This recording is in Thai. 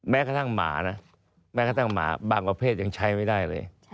แม้กระทั่งหมานะแม้กระทั่งหมาบางประเภทยังใช้ไม่ได้เลย